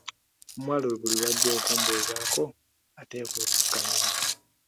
Omuwala oyo buli lwajja okumbuuzaako ateekwa okufukamira.